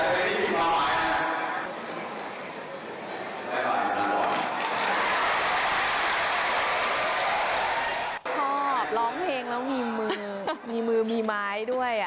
ชอบร้องเพลงแล้วมีมือมีมือมีไม้ด้วย